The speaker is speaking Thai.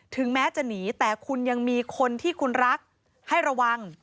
ถึงแม้จะหนีแต่คุณยังมีคนที่คุณรักให้ระวัง